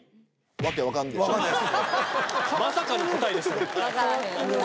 まさかの答えでしたね。